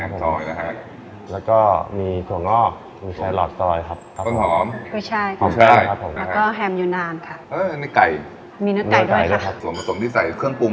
พริกหนุ่มแดงซอยนะครับ